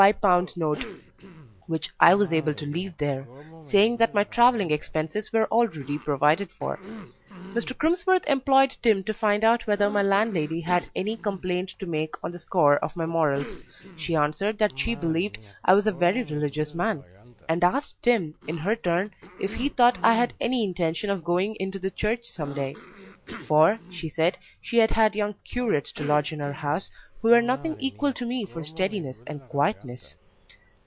note, which I was able to leave there, saying that my travelling expenses were already provided for. Mr. Crimsworth employed Tim to find out whether my landlady had any complaint to make on the score of my morals; she answered that she believed I was a very religious man, and asked Tim, in her turn, if he thought I had any intention of going into the Church some day; for, she said, she had had young curates to lodge in her house who were nothing equal to me for steadiness and quietness.